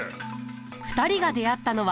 ２人が出会ったのは。